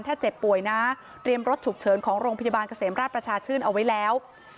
ถ้าเจ็บป่วยนะเตรียมรถฉุกเฉินของโรงพยาบาลเกษมราชประชาชื่นเอาไว้แล้ว